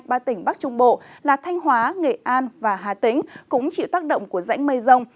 ba tỉnh bắc trung bộ là thanh hóa nghệ an và hà tĩnh cũng chịu tác động của rãnh mây rông